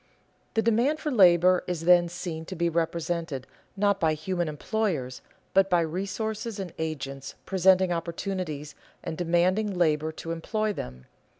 The demand for labor is then seen to be represented not by human employers, but by resources and agents presenting opportunities and demanding labor to employ them.